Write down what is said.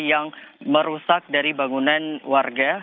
yang merusak dari bangunan warga